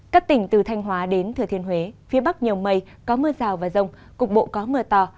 các tỉnh từ thanh hóa đến thừa thiên huế phía bắc nhiều mây có mưa rào và rông cục bộ có mưa to